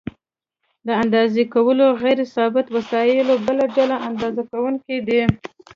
د اندازه کولو غیر ثابت وسایل بله ډله اندازه کوونکي دي.